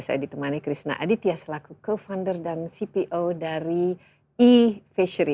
saya ditemani krishna aditya selaku co founder dan cpo dari e fishery